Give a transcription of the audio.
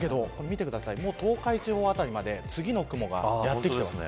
もう東海地方辺りまで次の雲がやってきています。